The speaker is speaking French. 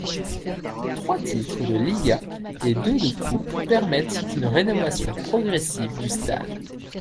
Trois titres de liga et deux de coupe permettent une rénovation progressive du stade.